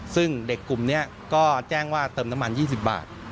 ซึ่งเด็กกลุ่มนี้ก็แจ้งว่าเติมน้ำมัน๒๐บาท